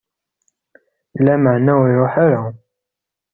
Lameɛna ur iṛuḥ ara.